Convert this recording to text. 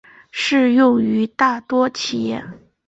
适用于大多企业。